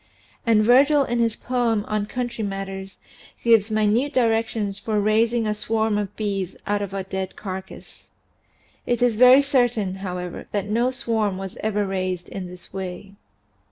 And Virgil in his poem on country matters gives minute directions for raising a swarm of bees out of a dead carcass. It is very certain, however, that no swarm was ever raised in this way.